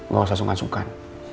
gak usah sungkan sungkan